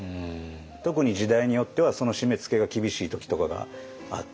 特に時代によってはその締めつけが厳しい時とかがあって。